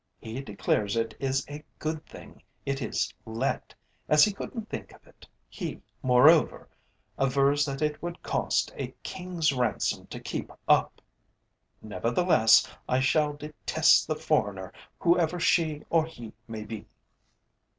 He declares it is a good thing it is let, as he couldn't think of it. He moreover avers that it would cost a king's ransom to keep up. Nevertheless, I shall detest the foreigner whoever she or he may be."